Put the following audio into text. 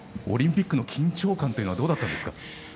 オリンピックの緊張感はどうだったんですか。